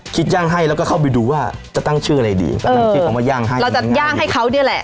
ย่างให้แล้วก็เข้าไปดูว่าจะตั้งชื่ออะไรดีกำลังใช้คำว่าย่างให้เราจะย่างให้เขาเนี่ยแหละ